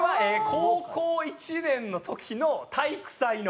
高校１年の時の体育祭の。